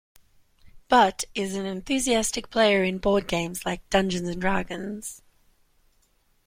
Butt is an enthusiastic player in board games like Dungeons and Dragons.